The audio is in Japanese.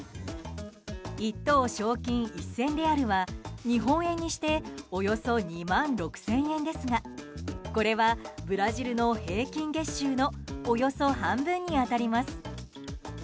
１等賞金１０００レアルは日本円にしておよそ２万６０００円ですがこれはブラジルの平均月収のおよそ半分に当たります。